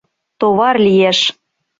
— Товар лиеш!